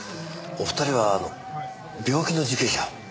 お二人はあの病気の受刑者を。